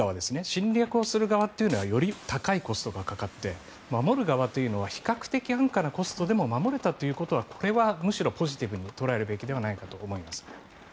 侵略をする側というのはより高いコストがかかって守る側というのは比較的安価なコストでも守れたということはこれはむしろポジティブに捉えるべきではないかと思います。